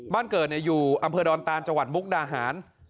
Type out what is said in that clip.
บ้านเกิดอยู่อำเภอดอนตานจังหวัดมุกดาหาร